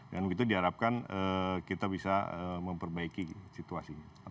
dan begitu diharapkan kita bisa memperbaiki situasinya